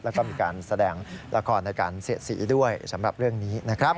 แล้วก็มีการแสดงละครในการเสียดสีด้วยสำหรับเรื่องนี้นะครับ